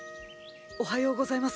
おはようございます。